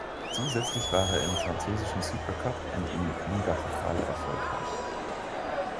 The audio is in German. Zusätzlich war er im französischen Supercup und im Ligapokal erfolgreich.